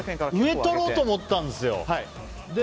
上を取ろうと思ったんですよ。